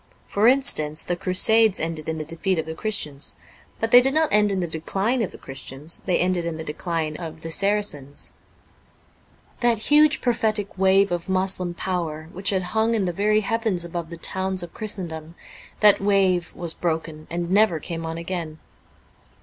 For instance, the Crusades ended in the defeat of the Christians. But they did not end in the decline of the Christians ; they ended in the dechne of the Saracens. That huge prophetic wave of Moslem power which had hung in the very heavens above the towns of Christendom : that wave was broken, and never came on again.